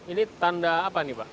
ini tanda apa nih pak